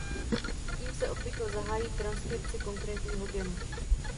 Tím se obvykle zahájí transkripce konkrétního genu.